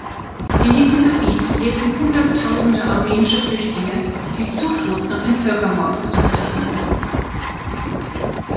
In diesem Gebiet lebten hunderttausende armenische Flüchtlinge, die Zuflucht nach dem Völkermord gesucht hatten.